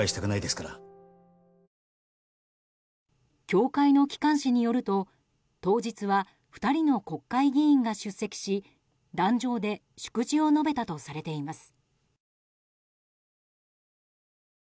教会の機関誌によると当日は２人の国会議員が出席し壇上で祝辞を述べたとされています。